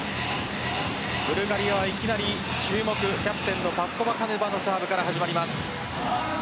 ブルガリアはいきなり注目キャプテンのパスコバカネバのサーブから始まります。